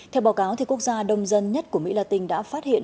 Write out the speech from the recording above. theo báo cáo quốc gia đông dân nhất của mỹ latin đã phát hiện